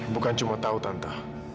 bukan cuma tahu tante